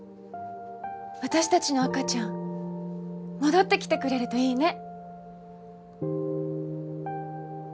私たちの赤ちゃん戻って来てくれるといいね。